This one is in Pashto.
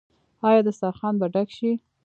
آیا دسترخان به ډک شي؟